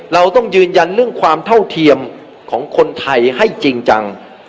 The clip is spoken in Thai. เราต้องยืนยันเรื่องความเท่าเทียมของคนไทยให้จริงจัง